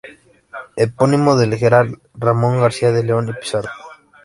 Epónimo del Gral.Ramón García de León y Pizarro.